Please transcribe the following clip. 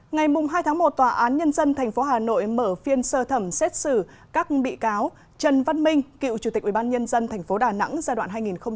ngày hai tháng một tòa án nhân dân thành phố hà nội mở phiên sơ thẩm xét xử các bị cáo trần văn minh cựu chủ tịch ubnd thành phố đà nẵng giai đoạn hai nghìn sáu hai nghìn một mươi một